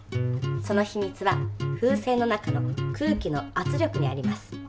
そのひみつは風船の中の空気のあつ力にあります。